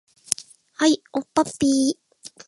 はい、おっぱっぴー